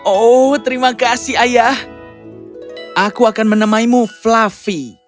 oh terima kasih ayah aku akan menemanimu fluffy